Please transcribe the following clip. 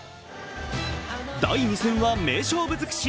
第２戦は名勝負づくし。